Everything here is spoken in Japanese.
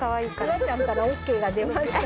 夕空ちゃんからＯＫが出ました。